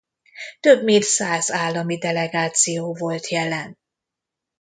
Több mint száz állami delegáció volt jelen.